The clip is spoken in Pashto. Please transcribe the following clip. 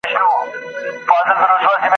نه « هینداره » چي مو شپې کړو ورته سپیني !.